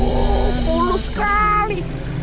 oh puluh sekali